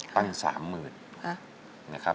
ตั้งสามหมื่นนะครับ